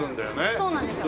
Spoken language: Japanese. そうなんですよ。